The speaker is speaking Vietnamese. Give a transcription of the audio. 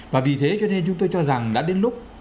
và vì thế cho nên chúng tôi cho rằng đã đến lúc